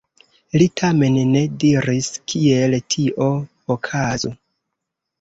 Li tamen ne diris, kiel tio okazu.